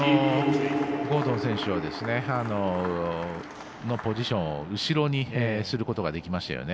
ゴードン選手のポジションを後ろにすることができましたよね。